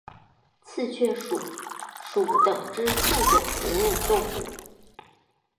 刺巢鼠属等之数种哺乳动物。